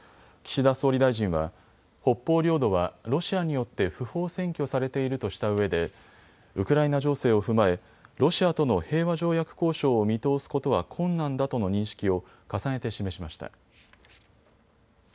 岸田総理大臣は、北方領土はロシアによって不法占拠されているとしたうえでウクライナ情勢を踏まえロシアとの平和条約交渉を見通すことは困難だとの認識を重ねて示しました。